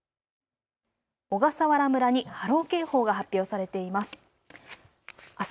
小笠原村に波浪警報が発表されています。